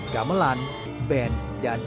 gamelan band dan